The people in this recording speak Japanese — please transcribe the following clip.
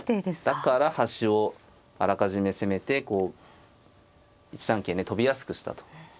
だから端をあらかじめ攻めてこう１三桂ね跳びやすくしたと。